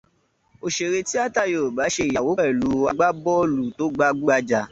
Òṣèré tíátà Yorùbá ṣe ìyàwó pẹ̀lú agbábọ́ọ̀lù tó gbagbúgbajà.